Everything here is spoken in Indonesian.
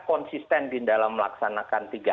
konsisten di dalam melaksanakan